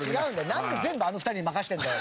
なんで全部あの２人に任せてるんだよ。